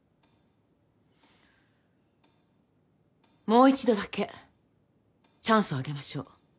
もう一度だけチャンスをあげましょう。